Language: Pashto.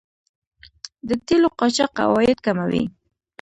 د تیلو قاچاق عواید کموي.